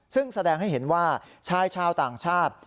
ซึ่งแสดงให้เห็นว่าชายชาวต่างชาติ